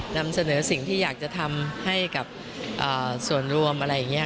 นำเสนอสิ่งที่อยากจะทำให้กับส่วนรวมอะไรอย่างนี้